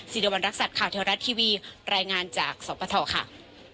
สิริวัณรักษัตริย์ข่าวเทวรัฐทีวีรายงานจากสปทค่ะ